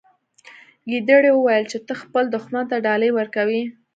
ګیدړې وویل چې ته خپل دښمن ته ډالۍ ورکوي.